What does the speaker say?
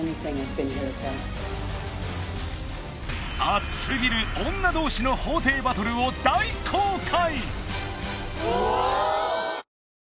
熱すぎる女同士の法廷バトルを大公開！